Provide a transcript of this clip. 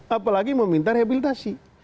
apalagi meminta rehabilitasi